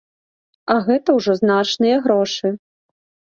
А гэта ўжо значныя грошы.